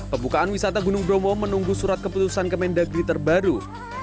pembukaan wisata gunung bromo menunggu surat keputusan kemendagri terbaru